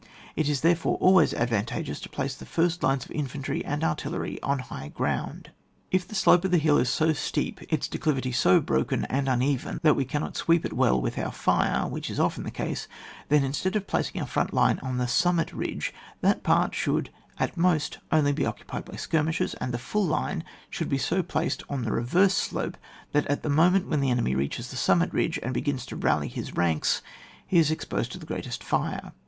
It is therefore always advan tageous to place the first lines of infantry and artillery on high ground. If the slope of the hill is so steep, its declivity so broken and uneven, that we cannot sweep it well with our fire, which is ofben the case, then, instead of placing our frt>nt line on the summit ridge, that part should at most only be occupied by skirmishers, and the full line should be so placed on the reverse slope, that at the moment when the enemy reaches the summit ridge and begins to rally his ranks, he is exposed to the greatest fire.